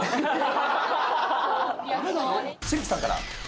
紫吹さんから。